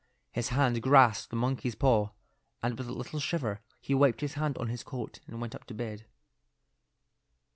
His hand grasped the monkey's paw, and with a little shiver he wiped his hand on his coat and went up to bed.